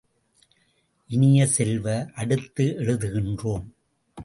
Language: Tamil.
இனிய செல்வ, அடுத்து எழுதுகின்றோம்.